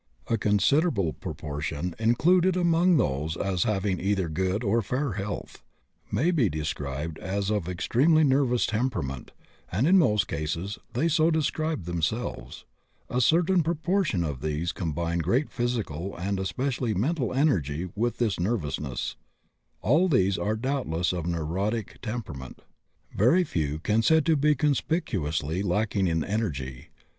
A considerable proportion, included among those as having either good or fair health, may be described as of extremely nervous temperament, and in most cases they so describe themselves; a certain proportion of these combine great physical and, especially, mental energy with this nervousness; all these are doubtless of neurotic temperament. Very few can be said to be conspicuously lacking in energy.